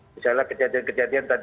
misalnya kejadian kejadian tadi